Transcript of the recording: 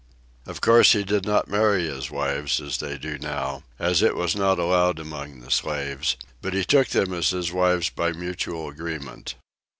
Of course he did not marry his wives as they do now, as it was not allowed among the slaves, but he took them as his wives by mutual agreement.